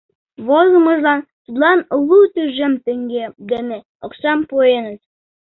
Возымыжлан тудлан лу тӱжем теҥге дене оксам пуэныт.